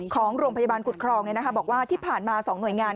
ของโรงพยาบาลกุฎครองบอกว่าที่ผ่านมา๒หน่วยงาน